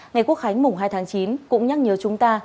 ngày quốc khánh mùng hai tháng chín cũng nhắc nhớ chúng ta